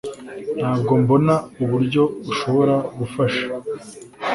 Ntabwo mbona uburyo ushobora gufasha